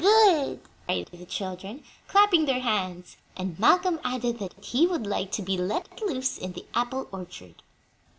good!" cried the children, clapping their hands; and Malcolm added that he "would like to be let loose in that apple orchard."